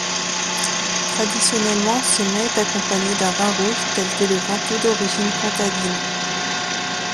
Traditionnellement, ce mets est accompagné d’un vin rouge, tel que le ventoux d'origine comtadine.